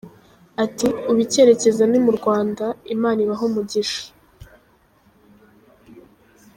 Ati “Ubu icyerekezo ni mu Rwanda…Imana ibahe umugisha!”.